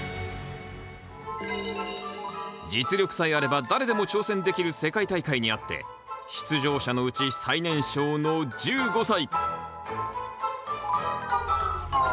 実力さえあれば誰でも挑戦できる世界大会にあって出場者のうち最年少の１５歳。